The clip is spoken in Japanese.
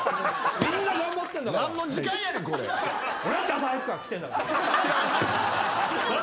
みんな頑張ってんだから。